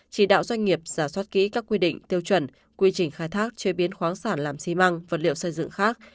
chỉ đạo doanh nghiệp giả soát kỹ các quy định tiêu chuẩn quy trình khai thác chế biến khoáng sản làm xi măng vật liệu xây dựng khác